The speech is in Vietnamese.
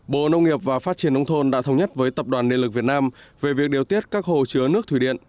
bộ nông nghiệp và phát triển nông thôn đã thống nhất với tập đoàn điện lực việt nam về việc điều tiết các hồ chứa nước thủy điện